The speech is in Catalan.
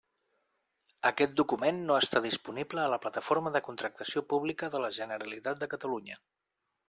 Aquest document no està disponible a la Plataforma de Contractació Pública de la Generalitat de Catalunya.